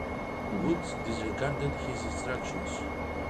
Woods disregarded his instructions.